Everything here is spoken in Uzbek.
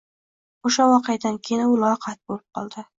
Oʻsha voqeadan keyin u loqayd boʻlib qoldi